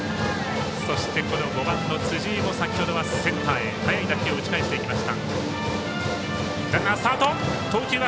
そして５番の辻井も先ほどはセンターへ速い打球を打ち返していきました。